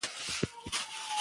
د ولس غږ چوپ نه پاتې کېږي